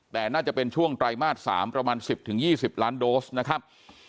แต่น่าจะเป็นช่วงไตรมาส๓ประมาณ๑๐๒๐ล้านโดสนะครับ